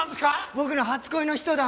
僕の初恋の人だ！